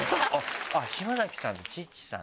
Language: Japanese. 「島崎さんとチッチさん」